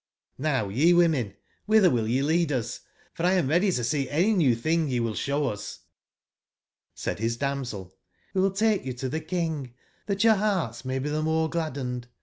J^ow ye worn en, whither will ye lead us? for X am ready to see any new thing yewill show us "j^ Said his dam sel :'' CQe will take you to the King, that your hearts may be the more gladdened.